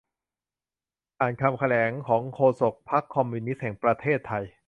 อ่านคำแถลงของโฆษกพรรคคอมมิวนิสต์แห่งประเทศไทย